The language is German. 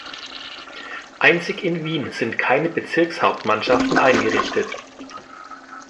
Einzig in Wien sind keine Bezirkshauptmannschaften eingerichtet.